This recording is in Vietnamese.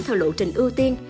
theo lộ trình ưu tiên